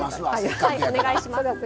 はいお願いします。